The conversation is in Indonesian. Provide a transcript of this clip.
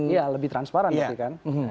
iya lebih transparan tapi kan